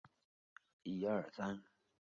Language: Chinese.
召开一般程序审查会议